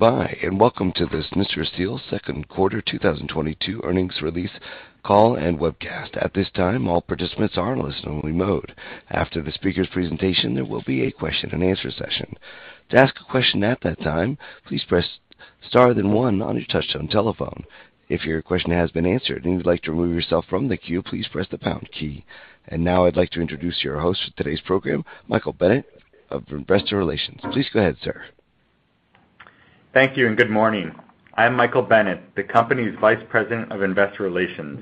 Hi, and welcome to the Schnitzer Steel second 1/4 2022 earnings release call and webcast. At this time, all participants are in Listen-Only Mode. After the speaker's presentation, there will be a question and answer session. To ask a question at that time, please press star then one on your touchtone telephone. If your question has been answered and you'd like to remove yourself from the queue, please press the pound key. Now I'd like to introduce your host for today's program, Michael Bennett of Investor Relations. Please go ahead, sir. Thank you, and good morning. I'm Michael Bennett, the company's Vice President of Investor Relations.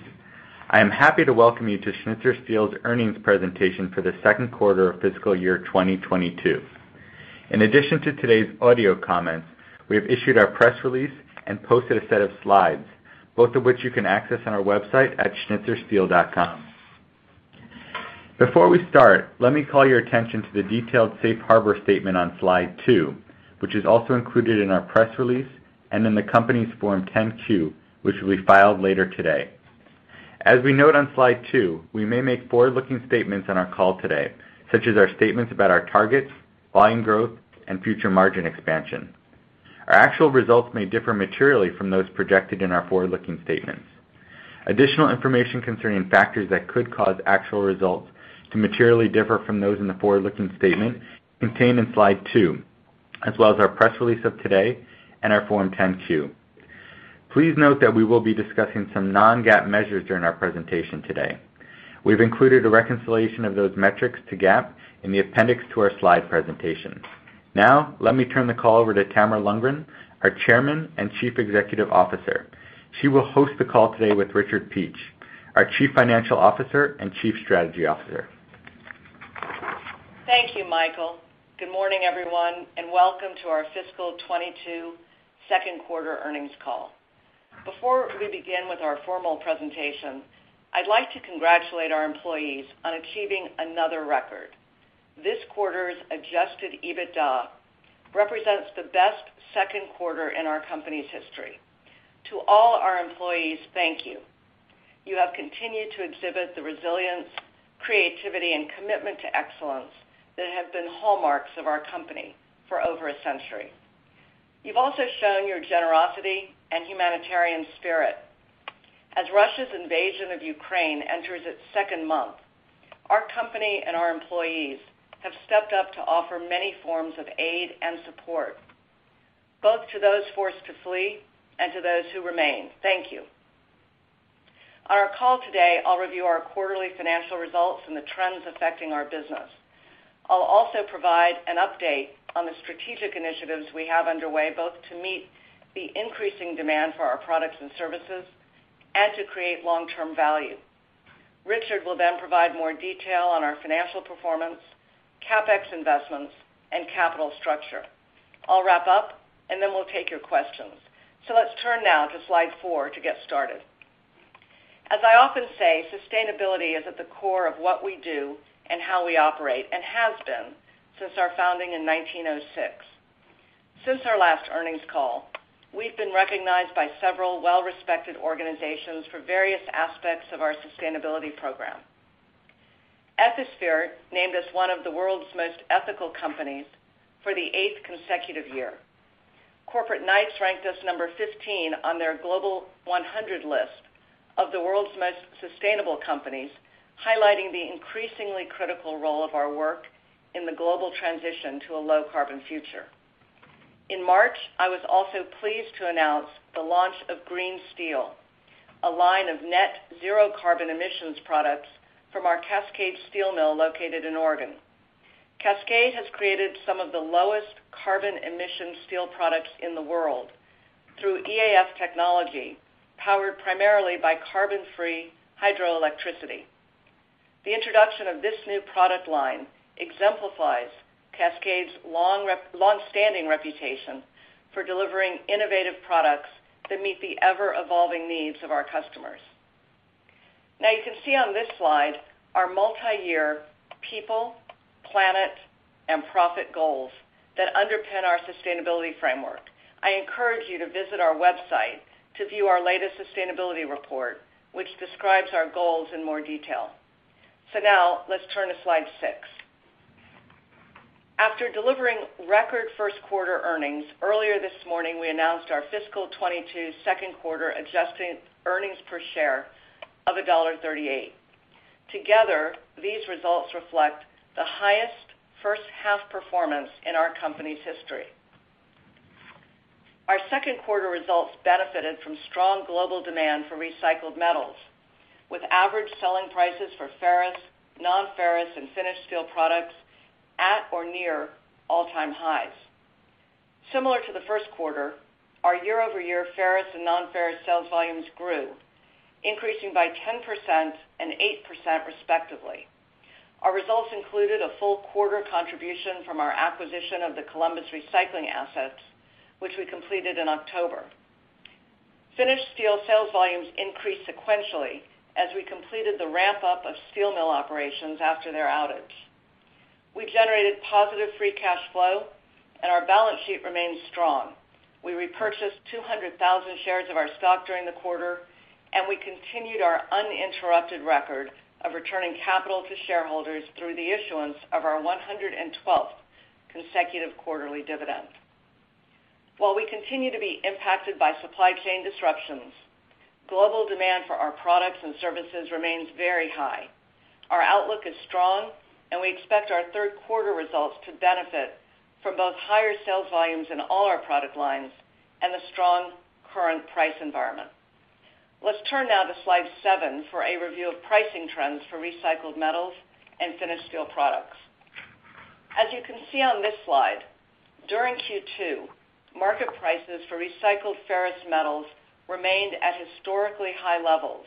I am happy to welcome you to Schnitzer Steel's earnings presentation for the second 1/4 of fiscal year 2022. In addition to today's audio comments, we have issued our press release and posted a set of slides, both of which you can access on our website at schnitzersteel.com. Before we start, let me call your attention to the detailed safe harbor statement on slide 2, which is also included in our press release and in the company's Form 10-Q, which will be filed later today. As we note on slide 2, we may make Forward-Looking statements on our call today, such as our statements about our targets, volume growth, and future margin expansion. Our actual results may differ materially from those projected in our Forward-Looking statements. Additional information concerning factors that could cause actual results to materially differ from those in the Forward-Looking statement contained in slide 2, as well as our press release of today and our Form 10-Q. Please note that we will be discussing some Non-GAAP measures during our presentation today. We've included a reconciliation of those metrics to GAAP in the appendix to our slide presentation. Now, let me turn the call over to Tamara Lundgren, our Chairman and Chief Executive Officer. She will host the call today with Richard Peach, our Chief Financial Officer and Chief Strategy Officer. Thank you, Michael. Good morning, everyone, and welcome to our fiscal 2022 second 1/4 earnings call. Before we begin with our formal presentation, I'd like to congratulate our employees on achieving another record. This quarter's adjusted EBITDA represents the best second 1/4 in our company's history. To all our employees, thank you. You have continued to exhibit the resilience, creativity, and commitment to excellence that have been hallmarks of our company for over a century. You've also shown your generosity and humanitarian spirit. As Russia's invasion of Ukraine enters its second month, our company and our employees have stepped up to offer many forms of aid and support, both to those forced to flee and to those who remain. Thank you. On our call today, I'll review our quarterly financial results and the trends affecting our business. I'll also provide an update on the strategic initiatives we have underway, both to meet the increasing demand for our products and services and to create Long-Term value. Richard will then provide more detail on our financial performance, CapEx investments, and capital structure. I'll wrap up, and then we'll take your questions. Let's turn now to slide 4 to get started. As I often say, sustainability is at the core of what we do and how we operate, and has been since our founding in 1906. Since our last earnings call, we've been recognized by several Well-Respected organizations for various aspects of our sustainability program. Ethisphere named us one of the world's most ethical companies for the 8th consecutive year. Corporate Knights ranked us number 15 on their Global 100 list of the world's most sustainable companies, highlighting the increasingly critical role of our work in the global transition to a low-carbon future. In March, I was also pleased to announce the launch of Green Steel, a line of net zero carbon emissions products from our Cascade Steel mill located in Oregon. Cascade has created some of the lowest carbon emission steel products in the world through EAF technology, powered primarily by carbon-free hydroelectricity. The introduction of this new product line exemplifies Cascade's Long-Standing reputation for delivering innovative products that meet the ever-evolving needs of our customers. Now you can see on this slide our multiyear people, planet, and profit goals that underpin our sustainability framework. I encourage you to visit our website to view our latest sustainability report, which describes our goals in more detail. Now let's turn to slide 6. After delivering record first 1/4 earnings, earlier this morning we announced our fiscal 2022 second 1/4 adjusted earnings per share of $1.38. Together, these results reflect the highest first 1/2 performance in our company's history. Our second 1/4 results benefited from strong global demand for recycled metals, with average selling prices for ferrous, Non-ferrous, and finished steel products at or near All-Time highs. Similar to the first 1/4, our Year-Over-Year ferrous and Non-Ferrous sales volumes grew, increasing by 10% and 8% respectively. Our results included a full 1/4 contribution from our acquisition of the Columbus Recycling assets, which we completed in October. Finished steel sales volumes increased sequentially as we completed the Ramp-Up of steel mill operations after their outage. We generated positive free cash flow, and our balance sheet remains strong. We repurchased 200,000 shares of our stock during the 1/4, and we continued our uninterrupted record of returning capital to shareholders through the issuance of our 112th consecutive quarterly dividend. While we continue to be impacted by supply chain disruptions, global demand for our products and services remains very high. Our outlook is strong, and we expect our 1/3 1/4 results to benefit from both higher sales volumes in all our product lines and a strong current price environment. Let's turn now to slide 7 for a review of pricing trends for recycled metals and finished steel products. As you can see on this slide, during Q2, market prices for recycled ferrous metals remained at historically high levels,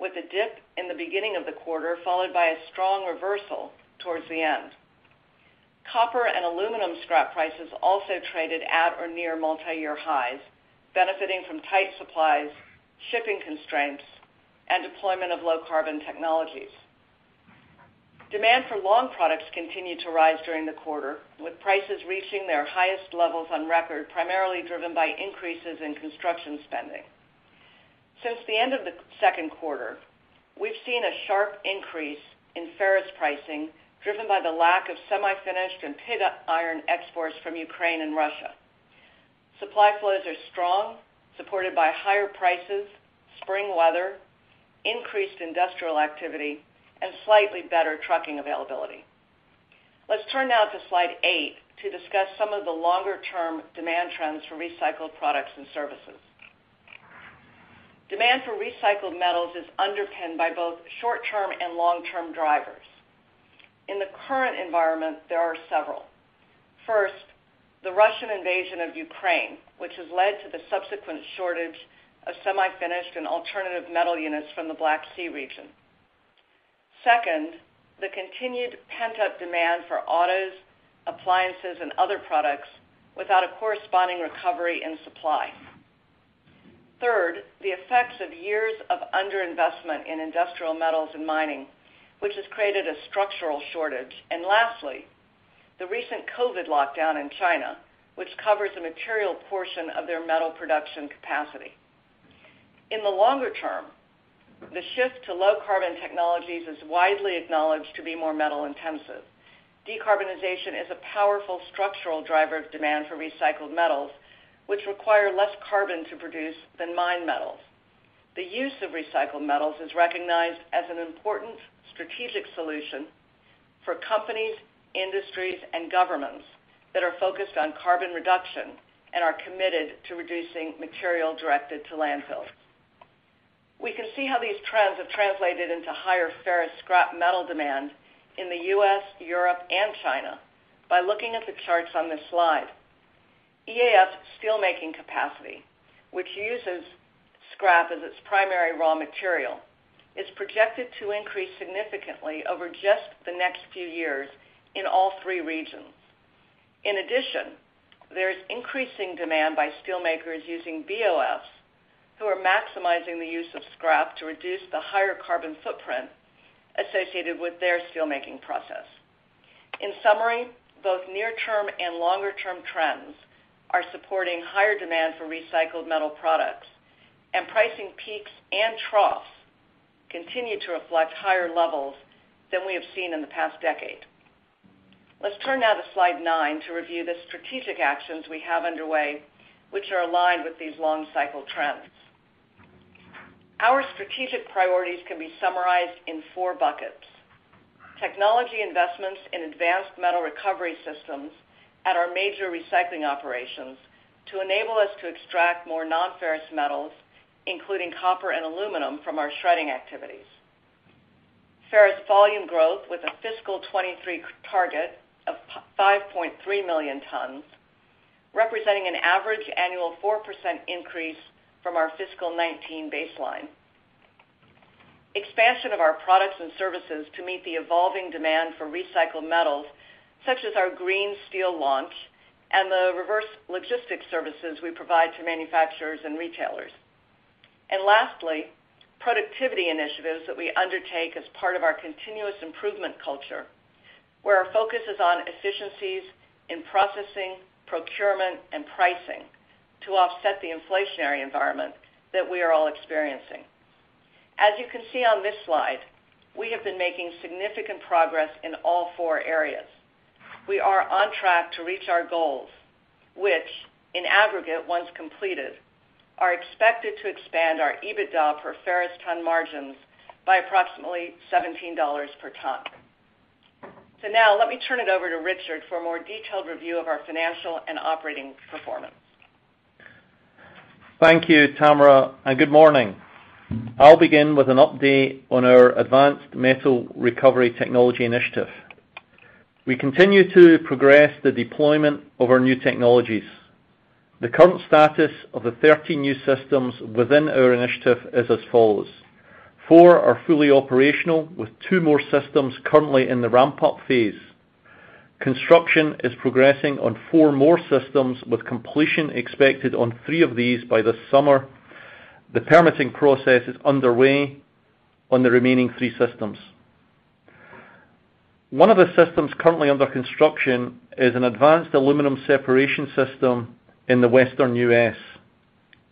with a dip in the beginning of the 1/4, followed by a strong reversal towards the end. Copper and aluminum scrap prices also traded at or near Multi-Year highs, benefiting from tight supplies, shipping constraints, and deployment of Low-Carbon technologies. Demand for long products continued to rise during the 1/4, with prices reaching their highest levels on record, primarily driven by increases in construction spending. Since the end of the second 1/4, we've seen a sharp increase in ferrous pricing, driven by the lack of semi-finished and pig iron exports from Ukraine and Russia. Supply flows are strong, supported by higher prices, spring weather, increased industrial activity, and slightly better trucking availability. Let's turn now to slide 8 to discuss some of the longer-term demand trends for recycled products and services. Demand for recycled metals is underpinned by both Short-Term and Long-Term drivers. In the current environment, there are several. First, the Russian invasion of Ukraine, which has led to the subsequent shortage of semi-finished and alternative metal units from the Black Sea region. Second, the continued Pent-Up demand for autos, appliances, and other products without a corresponding recovery in supply. Third, the effects of years of underinvestment in industrial metals and mining, which has created a structural shortage. Lastly, the recent COVID lockdown in China, which covers a material portion of their metal production capacity. In the longer term, the shift to low-carbon technologies is widely acknowledged to be more metal-intensive. Decarbonization is a powerful structural driver of demand for recycled metals, which require less carbon to produce than mined metals. The use of recycled metals is recognized as an important strategic solution for companies, industries, and governments that are focused on carbon reduction and are committed to reducing material directed to landfills. We can see how these trends have translated into higher ferrous scrap metal demand in the U.S., Europe, and China by looking at the charts on this slide. EAF steelmaking capacity, which uses scrap as its primary raw material, is projected to increase significantly over just the next few years in all 3 regions. In addition, there is increasing demand by steelmakers using BOFs, who are maximizing the use of scrap to reduce the higher carbon footprint associated with their steelmaking process. In summary, both near-term and Longer-Term trends are supporting higher demand for recycled metal products, and pricing peaks and troughs continue to reflect higher levels than we have seen in the past decade. Let's turn now to slide 9 to review the strategic actions we have underway, which are aligned with these long cycle trends. Our strategic priorities can be summarized in 4 buckets. Technology investments in advanced metal recovery systems at our major recycling operations to enable us to extract more Non-ferrous metals, including copper and aluminum, from our shredding activities. Ferrous volume growth with a fiscal 2023 target of 5.3 million tons, representing an average annual 4% increase from our fiscal 2019 baseline. Expansion of our products and services to meet the evolving demand for recycled metals, such as our Green Steel launch and the reverse logistics services we provide to manufacturers and retailers. Lastly, productivity initiatives that we undertake as part of our continuous improvement culture, where our focus is on efficiencies in processing, procurement, and pricing to offset the inflationary environment that we are all experiencing. As you can see on this slide, we have been making significant progress in all 4 areas. We are on track to reach our goals, which in aggregate, once completed, are expected to expand our EBITDA per ferrous ton margins by approximately $17 per ton. Now let me turn it over to Richard for a more detailed review of our financial and operating performance. Thank you, Tamara, and good morning. I'll begin with an update on our advanced metal recovery technology initiative. We continue to progress the deployment of our new technologies. The current status of the 30 new systems within our initiative is as follows. 4 are fully operational, with 2 more systems currently in the ramp-up phase. Construction is progressing on 4 more systems, with completion expected on 3 of these by this summer. The permitting process is underway on the remaining 3 systems. One of the systems currently under construction is an advanced aluminum separation system in the Western U.S.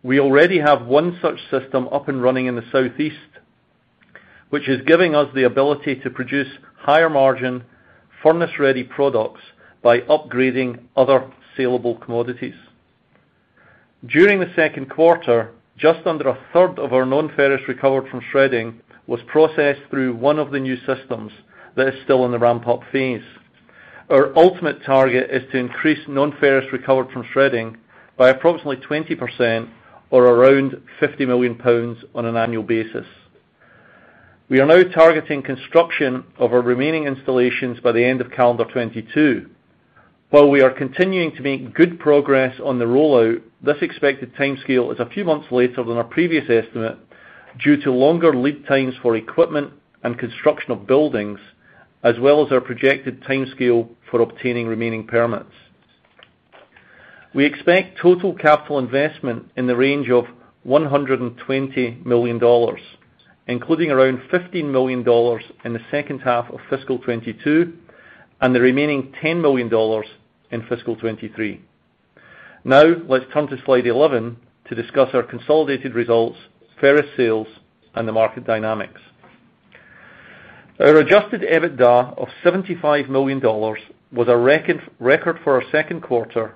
We already have one such system up and running in the Southeast, which is giving us the ability to produce higher margin, Furnace-Ready products by upgrading other saleable commodities. During the second 1/4, just under a 1/3 of our nonferrous recovered from shredding was processed through one of the new systems that is still in the ramp-up phase. Our ultimate target is to increase nonferrous recovered from shredding by approximately 20% or around 50 million pounds on an annual basis. We are now targeting construction of our remaining installations by the end of calendar 2022. While we are continuing to make good progress on the rollout, this expected timescale is a few months later than our previous estimate due to longer lead times for equipment and construction of buildings, as well as our projected timescale for obtaining remaining permits. We expect total capital investment in the range of $120 million, including around $15 million in the second 1/2 of fiscal 2022, and the remaining $10 million in fiscal 2023. Now, let's turn to slide 11 to discuss our consolidated results, ferrous sales, and the market dynamics. Our adjusted EBITDA of $75 million was a record for our second 1/4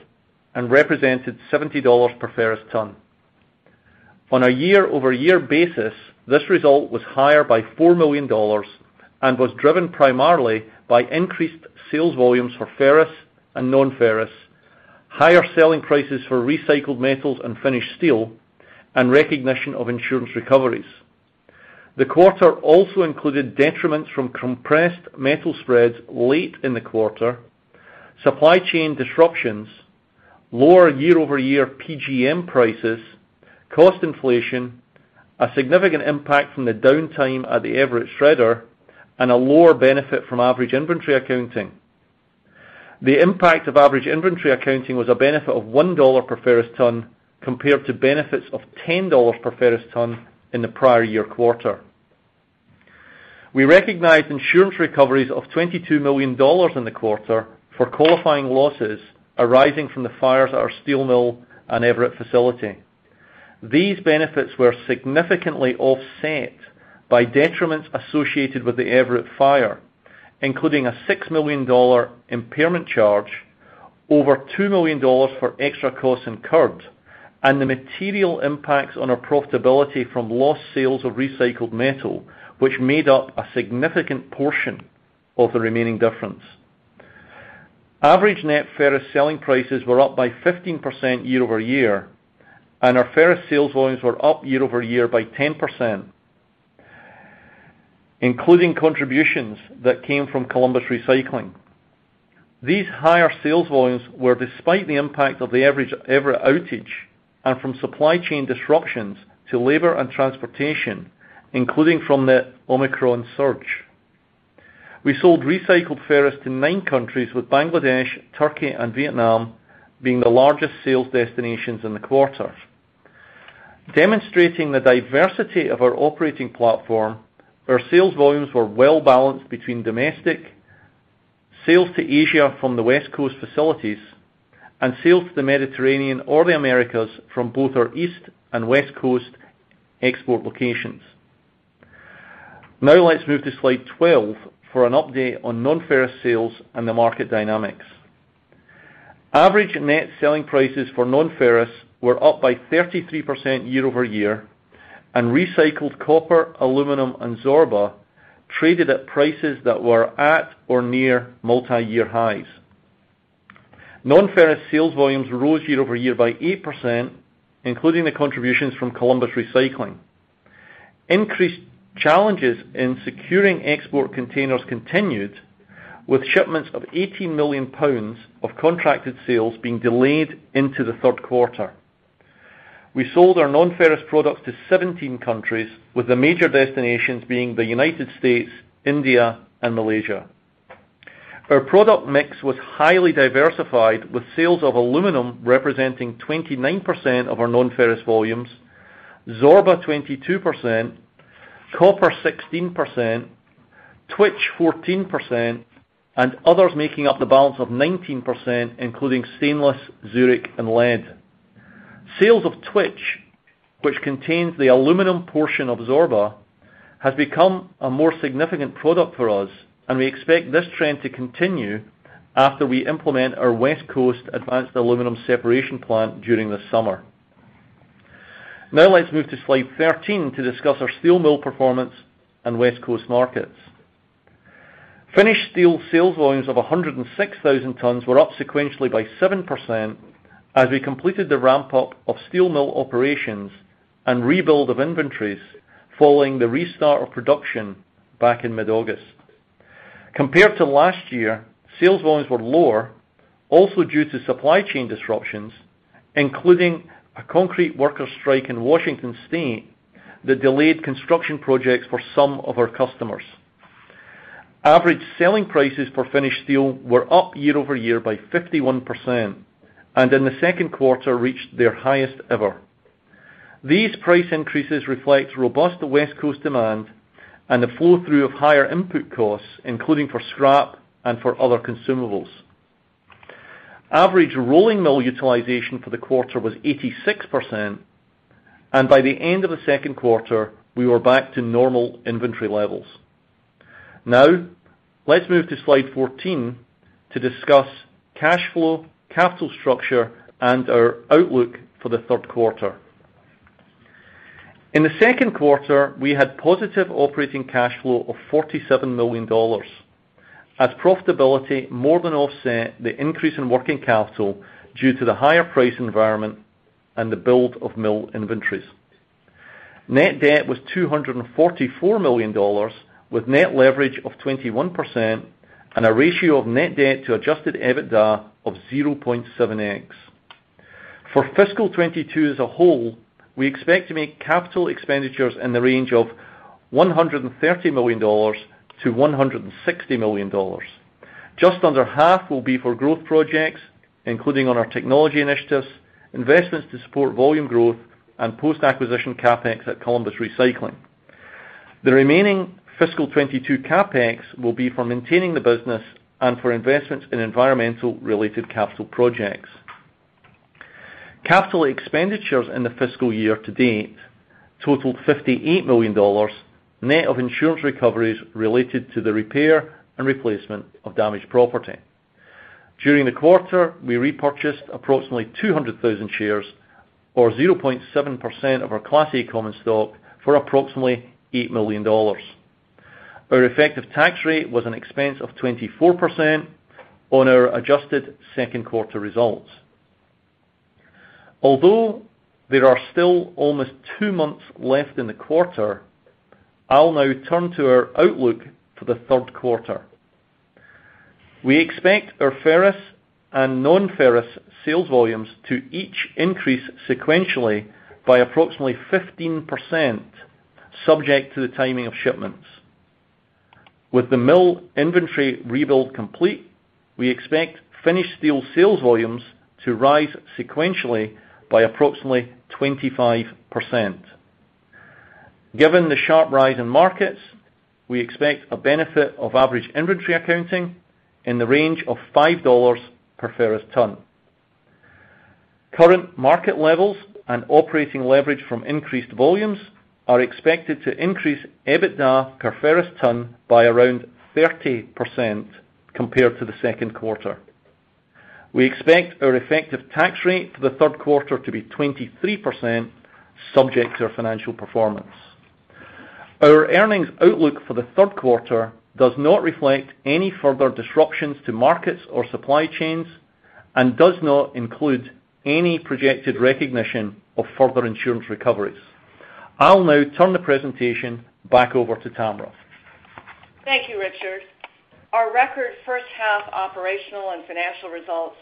and represented $70 per ferrous ton. On a Year-Over-Year basis, this result was higher by $4 million and was driven primarily by increased sales volumes for ferrous and nonferrous, higher selling prices for recycled metals and finished steel, and recognition of insurance recoveries. The 1/4 also included detriments from compressed metal spreads late in the 1/4, supply chain disruptions, lower Year-Over-Year PGM prices, cost inflation, a significant impact from the downtime at the Everett Shredder, and a lower benefit from average inventory accounting. The impact of average inventory accounting was a benefit of $1 per ferrous ton compared to benefits of $10 per ferrous ton in the prior year 1/4. We recognized insurance recoveries of $22 million in the 1/4 for qualifying losses arising from the fires at our steel mill and Everett facility. These benefits were significantly offset by detriments associated with the Everett fire, including a $6 million impairment charge, over $2 million for extra costs incurred, and the material impacts on our profitability from lost sales of recycled metal, which made up a significant portion of the remaining difference. Average net ferrous selling prices were up by 15% Year-Over-Year, and our ferrous sales volumes were up Year-Over-Year by 10%, including contributions that came from Columbus Recycling. These higher sales volumes were despite the impact of the average Everett outage and from supply chain disruptions to labor and transportation, including from the Omicron surge. We sold recycled ferrous to 9 countries, with Bangladesh, Turkey, and Vietnam being the largest sales destinations in the 1/4. Demonstrating the diversity of our operating platform, our sales volumes were well-balanced between domestic, sales to Asia from the West Coast facilities, and sales to the Mediterranean or the Americas from both our East and West Coast export locations. Now let's move to slide 12 for an update on nonferrous sales and the market dynamics. Average net selling prices for nonferrous were up by 33% Year-Over-Year, and recycled copper, aluminum, and Zorba traded at prices that were at or near multiyear highs. Nonferrous sales volumes rose Year-Over-Year by 8%, including the contributions from Columbus Recycling. Increased challenges in securing export containers continued, with shipments of 18 million pounds of contracted sales being delayed into the 1/3 1/4. We sold our nonferrous products to 17 countries, with the major destinations being the United States, India, and Malaysia. Our product mix was highly diversified, with sales of aluminum representing 29% of our nonferrous volumes, Zorba 22%, copper 16%, Twitch 14%, and others making up the balance of 19%, including stainless, Zurik, and lead. Sales of Twitch, which contains the aluminum portion of Zorba, has become a more significant product for us, and we expect this trend to continue after we implement our West Coast advanced aluminum separation plant during the summer. Now let's move to slide 13 to discuss our steel mill performance and West Coast markets. Finished steel sales volumes of 106,000 tons were up sequentially by 7% as we completed the ramp-up of steel mill operations and rebuild of inventories following the restart of production back in mid-August. Compared to last year, sales volumes were lower, also due to supply chain disruptions, including a concrete worker strike in Washington state that delayed construction projects for some of our customers. Average selling prices for finished steel were up Year-Over-Year by 51%, and in the second 1/4 reached their highest ever. These price increases reflect robust West Coast demand and the flow-through of higher input costs, including for scrap and for other consumables. Average rolling mill utilization for the 1/4 was 86%, and by the end of the second 1/4, we were back to normal inventory levels. Now, let's move to slide 14 to discuss cash flow, capital structure, and our outlook for the 1/3 1/4. In the second 1/4, we had positive operating cash flow of $47 million as profitability more than offset the increase in working capital due to the higher price environment and the build of mill inventories. Net debt was $244 million with net leverage of 21% and a ratio of net debt to adjusted EBITDA of 0.7x. For fiscal 2022 as a whole, we expect to make capital expenditures in the range of $130 million-$160 million. Just under 1/2 will be for growth projects, including on our technology initiatives, investments to support volume growth, and post-acquisition CapEx at Columbus Recycling. The remaining fiscal 2022 CapEx will be for maintaining the business and for investments in environmental-related capital projects. Capital expenditures in the fiscal year to date totaled $58 million, net of insurance recoveries related to the repair and replacement of damaged property. During the 1/4, we repurchased approximately 200,000 shares or 0.7% of our Class A common stock for approximately $8 million. Our effective tax rate was an expense of 24% on our adjusted second 1/4 results. Although there are still almost 2 months left in the 1/4, I'll now turn to our outlook for the 1/3 1/4. We expect our ferrous and Non-ferrous sales volumes to each increase sequentially by approximately 15% subject to the timing of shipments. With the mill inventory rebuild complete, we expect finished steel sales volumes to rise sequentially by approximately 25%. Given the sharp rise in markets, we expect a benefit of average inventory accounting in the range of $5 per ferrous ton. Current market levels and operating leverage from increased volumes are expected to increase EBITDA per ferrous ton by around 30% compared to the second 1/4. We expect our effective tax rate for the 1/3 1/4 to be 23% subject to our financial performance. Our earnings outlook for the 1/3 1/4 does not reflect any further disruptions to markets or supply chains and does not include any projected recognition of further insurance recoveries. I'll now turn the presentation back over to Tamara. Thank you, Richard. Our record first 1/2 operational and financial results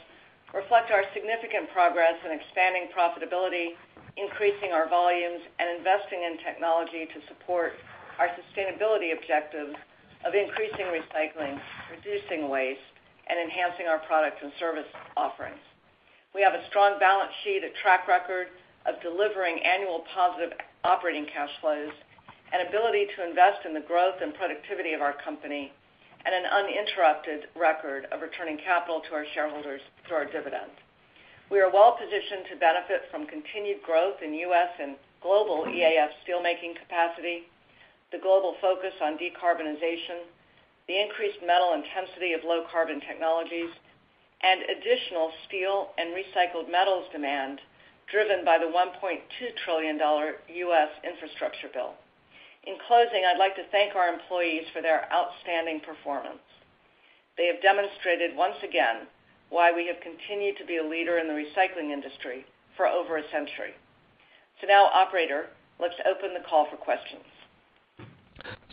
reflect our significant progress in expanding profitability, increasing our volumes, and investing in technology to support our sustainability objectives of increasing recycling, reducing waste, and enhancing our product and service offerings. We have a strong balance sheet, a track record of delivering annual positive operating cash flows, an ability to invest in the growth and productivity of our company, and an uninterrupted record of returning capital to our shareholders through our dividends. We are well-positioned to benefit from continued growth in U.S. and global EAF steelmaking capacity, the global focus on decarbonization, the increased metal intensity of low carbon technologies, and additional steel and recycled metals demand driven by the $1.2 trillion U.S. infrastructure bill. In closing, I'd like to thank our employees for their outstanding performance. They have demonstrated once again why we have continued to be a leader in the recycling industry for over a century. Now, operator, let's open the call for questions.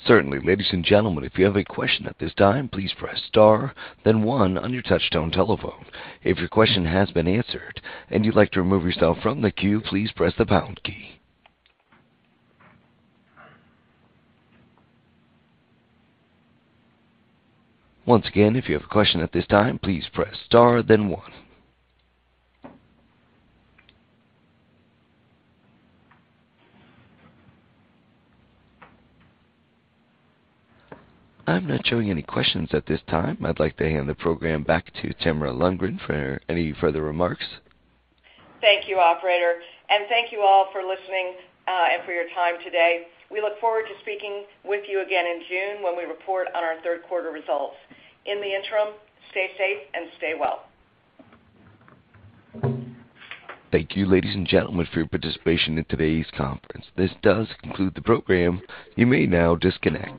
Certainly. Ladies and gentlemen, if you have a question at this time, please press star then one on your touchtone telephone. If your question has been answered and you'd like to remove yourself from the queue, please press the pound key. Once again, if you have a question at this time, please press star then one. I'm not showing any questions at this time. I'd like to hand the program back to Tamara Lundgren for any further remarks. Thank you, operator, and thank you all for listening, and for your time today. We look forward to speaking with you again in June when we report on our 1/3 1/4 results. In the interim, stay safe and stay well. Thank you, ladies and gentlemen, for your participation in today's conference. This does conclude the program. You may now disconnect.